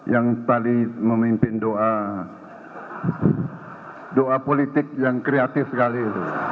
yang sekali memimpin doa politik yang kreatif sekali